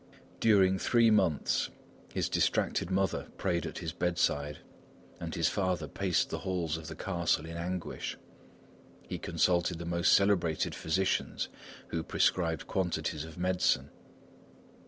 During three months, his distracted mother prayed at his bedside, and his father paced the halls of the castle in anguish. He consulted the most celebrated physicians, who prescribed quantities of medicine.